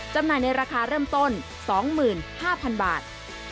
จำหน่ายในราคาเริ่มต้น๒๕๐๐๐บาท